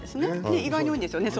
意外に多いんですよね。